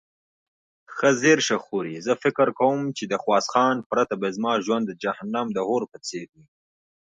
At that time it was just a red ruff wrapped around a candle.